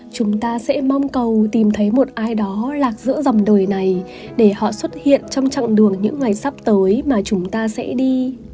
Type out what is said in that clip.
chúng ta sẽ mong cầu tìm thấy một ai đó lạc giữa dòng đời này để họ xuất hiện trong chặng đường những ngày sắp tới mà chúng ta sẽ đi